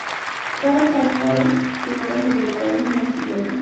Cada tártaro llevaba sobre la cabeza una bicicleta.